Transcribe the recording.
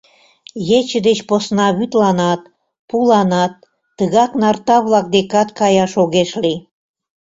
Ече деч посна вӱдланат, пуланат, тыгак нарта-влак декат каяш огеш лий.